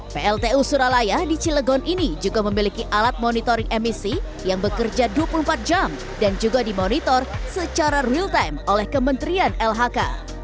pltu suralaya di cilegon ini juga memiliki alat monitoring emisi yang bekerja dua puluh empat jam dan juga dimonitor secara real time oleh kementerian lhk